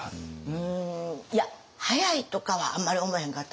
うんいや早いとかはあんまり思わへんかったわ。